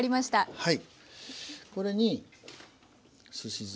はい。